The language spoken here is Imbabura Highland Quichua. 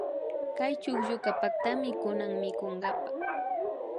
Kay chuklluka paktami kunan mikunkapa